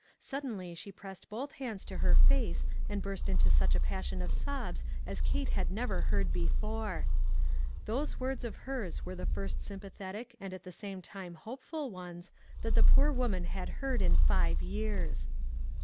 Suddenly she pressed both hands to her face and burst into such a passion of IQO ONE COMMONPLACE DAY. sobs as Kate had never heard before. Those words of hers were the first sympathetic and at the same time hopeful ones that the poor woman had heard in five years.